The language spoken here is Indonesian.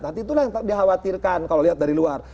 nanti itulah yang dikhawatirkan kalau lihat dari luar